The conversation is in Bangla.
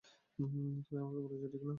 তুমি আমাকে বলেছ, ঠিক না?